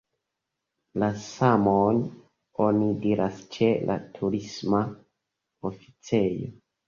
La samon oni diras ĉe la Turisma Oficejo.